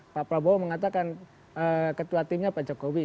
pak prabowo mengatakan ketua timnya pak jokowi